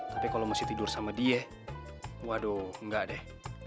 tapi kalau masih tidur sama dia waduh enggak deh